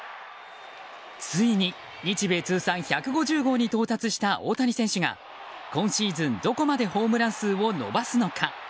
ついに、日米通算１５０号に到達した大谷選手が今シーズンどこまでホームラン数を伸ばすのか。